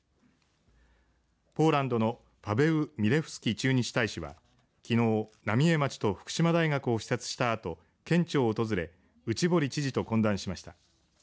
ポーランドのパヴェウ・ミレフスキ駐日大使は、きのう浪江町と福島大学を視察したあと県庁を訪れ内堀知事と懇談しました。